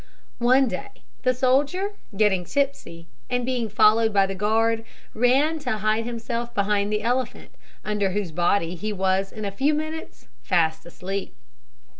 One day the soldier, getting tipsy, and being followed by the guard, ran to hide himself behind the elephant, under whose body he was in a few minutes fast asleep.